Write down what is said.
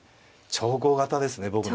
長考型ですか。